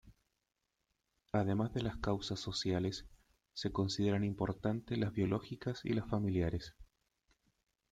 Además de las causas sociales, se consideran importantes las biológicas y las familiares.